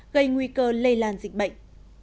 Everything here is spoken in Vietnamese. gây nguy cơ lây lan dịch bệnh